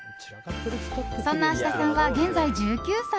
そんな芦田さんは現在１９歳。